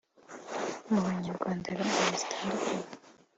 Mu banyarwanda b’ingeri zitandukanye